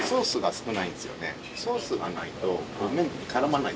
ソースがないと。